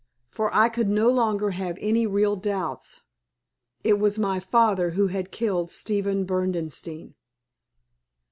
For I could no longer have any real doubts. It was my father who had killed Stephen Berdenstein.